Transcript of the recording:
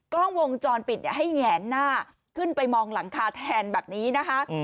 กล้องวงจรปิดให้แหงหน้าขึ้นไปมองหลังคาแทนแบบนี้นะคะ